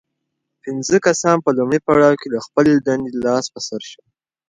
پنځه کسان په لومړي پړاو کې له خپلې دندې لاس په سر شول.